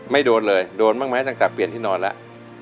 โดนเลยโดนบ้างไหมตั้งแต่เปลี่ยนที่นอนแล้ว